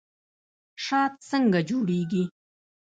شات څنګه جوړیږي؟